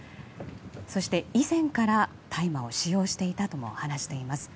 そして、以前から大麻を使用していたとも話しています。